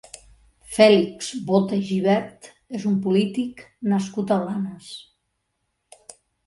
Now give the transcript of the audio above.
Fèlix Bota i Gibert és un polític nascut a Blanes.